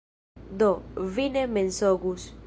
Do, vi ne mensogus.